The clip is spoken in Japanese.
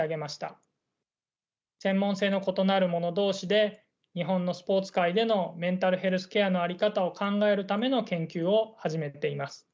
専門性の異なるもの同士で日本のスポーツ界でのメンタルヘルスケアの在り方を考えるための研究を始めています。